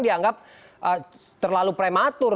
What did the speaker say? dianggap terlalu prematur